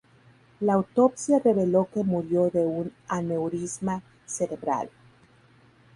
La autopsia reveló que murió de un aneurisma cerebral.